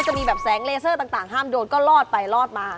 จะมีแบบแสงเลเซอร์ต่างห้ามโดนก็ลอดไปลอดมา